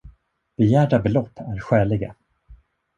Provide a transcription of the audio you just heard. Begärda belopp är skäliga.